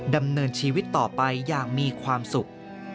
ดำเนินชีวิตต่อไปอย่างมีความสุข